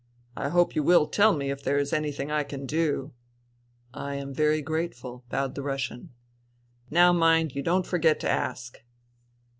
I hope you will tell me if there is anything I can do ?"" I am very grateful," bowed the Russian. *' Now mind you don't forget to ask.